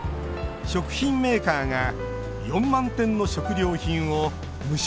食品メーカーが４万点の食料品を無償で提供。